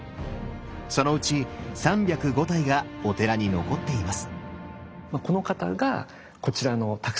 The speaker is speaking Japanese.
そのうち３０５体がお寺に残っています。